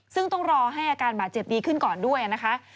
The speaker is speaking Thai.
ซึ่งต้องรอให้อาการบาดเจ็บดีขึ้นก่อนด้วยนะคะ